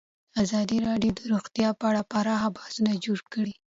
ازادي راډیو د روغتیا په اړه پراخ بحثونه جوړ کړي.